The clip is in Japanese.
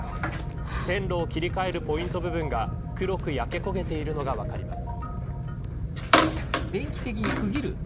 線路を切り替えるポイント部分が黒く焼け焦げているのが分かります。